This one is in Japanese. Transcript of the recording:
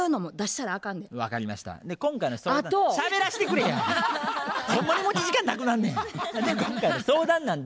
ほんまに持ち時間なくなんねん。